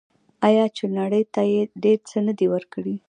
آیا چې نړۍ ته یې ډیر څه نه دي ورکړي؟